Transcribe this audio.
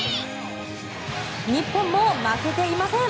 日本も負けていません。